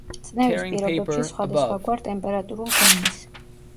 წნევის პირობებში სხვადასხვაგვარ ტემპერატურულ დონეს.